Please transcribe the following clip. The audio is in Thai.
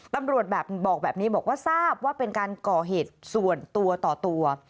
ตำรวจแบบบอกแบบนี้บอกว่าทราบว่าเป็นการก่อเหตุส่วนตัวต่อตัว